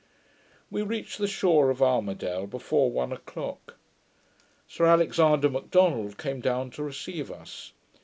We reached the shore of Armidale before one o'clock. Sir Alexander M'Donald came down to receive us.